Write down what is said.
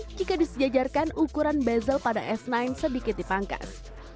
jika disejajarkan ukuran bazzle pada s sembilan sedikit dipangkas